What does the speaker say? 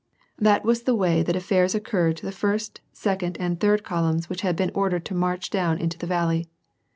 That was the way that affairs occurred to the first, second, and third columns which had been ordered to march down into the valley.